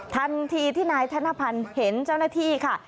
ทันทีที่นายธนพันธ์เห็นเจ้าหน้าที่ค่ะ